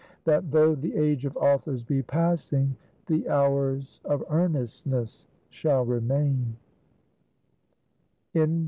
that though the age of authors be passing, the hours of earnestness shall remain!